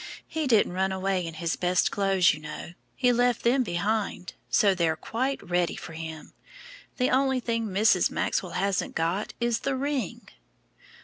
He didn't run away in his best clothes, you know; he left them behind. So they're quite ready for him. The only thing Mrs. Maxwell hasn't got is the ring."